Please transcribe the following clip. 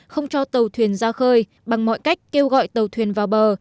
không cho tàu thuyền ra khơi bằng mọi cách kêu gọi tàu thuyền vào bờ